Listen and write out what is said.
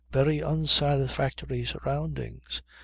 Very unsatisfactory surroundings.